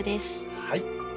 はい。